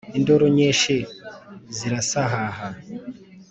Induru nyinshi zirasahaha!